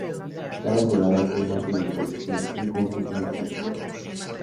Cada jugador tiene a su disposición un conjunto de estrategias.